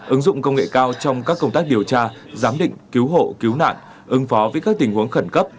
ứng dụng công nghệ cao trong các công tác điều tra giám định cứu hộ cứu nạn ứng phó với các tình huống khẩn cấp